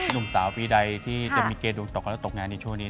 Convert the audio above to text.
นุ่มสาวปีใยที่จะมีเกษตรวงตกแล้วตกงานยังเฉย